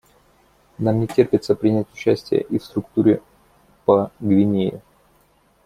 Нам не терпится принять участие и в структуре по Гвинее.